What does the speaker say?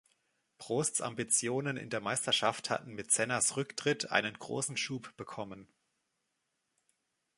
Prosts Ambitionen in der Meisterschaft hatten mit Sennas Rücktritt einen großen Schub bekommen.